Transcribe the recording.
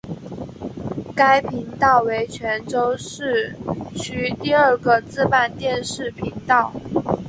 该频道为泉州市区第二个自办电视频道。